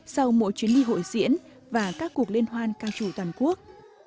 sau mỗi chuyến đi hội diễn và các cuộc liên hoan ca trù toàn quốc